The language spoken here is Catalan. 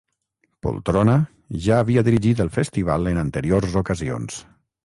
Poltrona ja havia dirigit el festival en anteriors ocasions